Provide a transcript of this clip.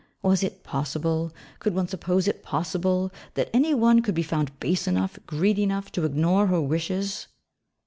Was it possible, could one suppose it possible, that any one could be found base enough, greedy enough, to ignore her wishes?